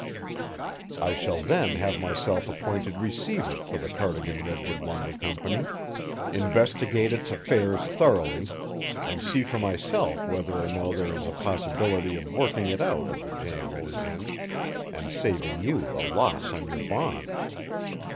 I shall then have myself appointed receiver for the Cardigan Redwood Lumber Company, investigate its affairs thoroughly, and see for myself whether or no there is a possibility of working it out of the jam it is in and saving you a loss on your bonds.